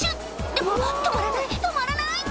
でも、止まらない、止まらない！